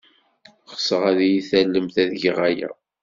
Ɣseɣ ad iyi-tallemt ad geɣ aya.